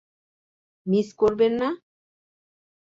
Miss করবেন না।